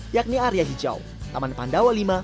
yakni area hijau taman pandawa v